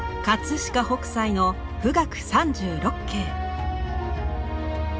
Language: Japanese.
飾北斎の「冨嶽三十六景」。